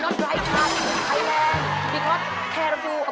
โอ้วไม่ให้ชายกรรมใด